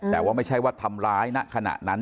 แต่ว่าไม่ใช่ว่าทำร้ายณขณะนั้น